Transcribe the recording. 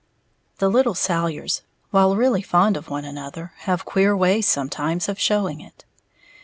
_ The little Salyers, while really fond of one another, have queer ways sometimes of showing it.